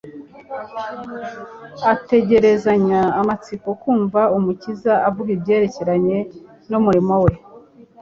Ategerezanya amatsiko kumva Umukiza avuga ibyerekeranye n'umurimo, we,